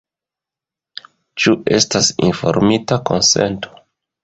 Ĉu estas informita konsento?